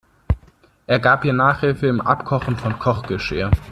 Er gab ihr Nachhilfe im Abkochen von Kochgeschirr.